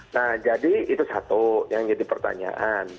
nah jadi itu satu yang jadi pertanyaan